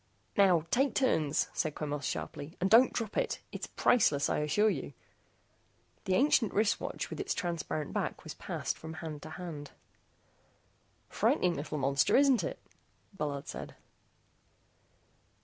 "Now, take turns," said Quemos sharply, "and don't drop it. It's priceless, I assure you." The ancient wrist watch with its transparent back was passed from hand to hand. "Frightening little monster, isn't it," Bullard said.